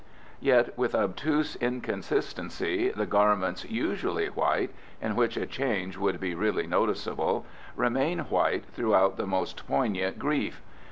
Yet with obtuse inconsistency the garments usually white in which a change would be really noticeable remain white throughout the most poignant grief.